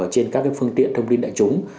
trên các cái phương tiện thông tin đại chúng